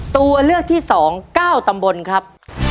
ตัวเลือกที่๒๙ตำบลครับ